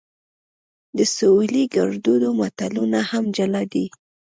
د سویلي ګړدود متلونه هم جلا دي